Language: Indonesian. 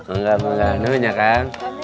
enggak enggak ini kan